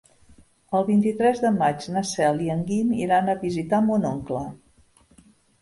El vint-i-tres de maig na Cel i en Guim iran a visitar mon oncle.